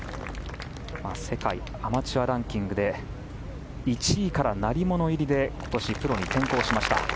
世界アマチュアランキングで１位から鳴り物入りで今年、プロに転向しました。